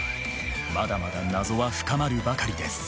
まだまだ謎は深まるばかりです。